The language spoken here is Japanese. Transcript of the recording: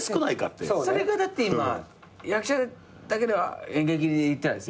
それがだって今役者だけの演劇でいったらですよ